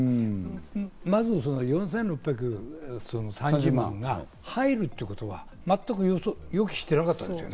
まず４６３０万円が入るということは全く予期していなかったわけです。